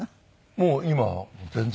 もう今は全然。